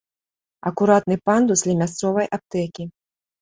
Акуратны пандус ля мясцовай аптэкі.